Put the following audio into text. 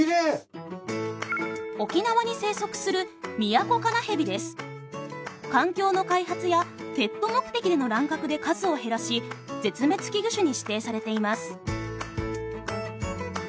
沖縄に生息する環境の開発やペット目的での乱獲で数を減らし絶滅危惧種に指定されています。